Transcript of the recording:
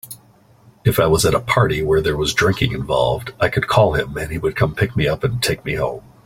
If I was at a party where there was drinking involved, I could call him and he would come pick me up and take me home.